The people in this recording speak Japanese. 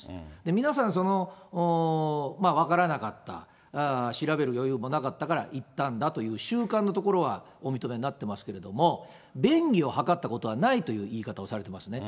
皆さん、分からなかった、調べる余裕もなかったから行ったんだというしゅうかんのところはお認めになってますけれども、便宜を図ったことはないという言い方をされてますね。